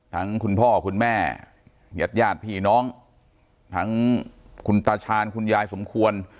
คุณพ่อคุณแม่ญาติญาติพี่น้องทั้งคุณตาชาญคุณยายสมควร